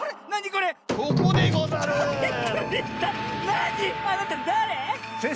なに⁉あなただれ⁉せっ